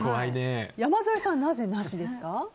山添さん、なぜなしですか？